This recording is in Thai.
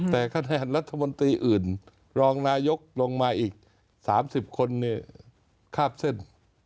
แต่คะแนนรัฐมนตรีอื่นรองนายกลงมาอีก๓๐คนคาบเส้น